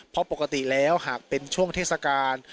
เพราะปกติแล้วหากเป็นช่วงเทศกาล